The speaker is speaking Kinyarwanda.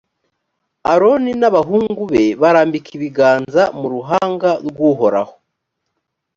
aroni n’abahungu be barambika ibiganza mu ruhanga rw’uhoraho